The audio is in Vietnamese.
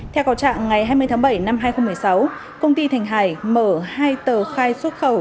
theo cầu trạng ngày hai mươi tháng bảy năm hai nghìn một mươi sáu công ty thành hải mở hai tờ khai xuất khẩu